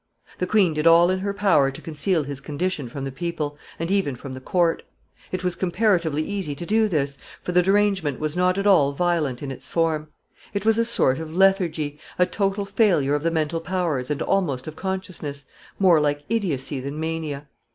The queen did all in her power to conceal his condition from the people, and even from the court. It was comparatively easy to do this, for the derangement was not at all violent in its form. It was a sort of lethargy, a total failure of the mental powers and almost of consciousness more like idiocy than mania.